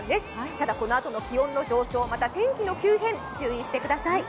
ただこのあとの気温の上昇また天気の急変、注意してください